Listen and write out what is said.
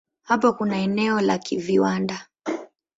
Hapa kuna eneo la viwanda.